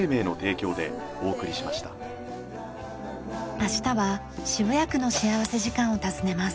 明日は渋谷区の幸福時間を訪ねます。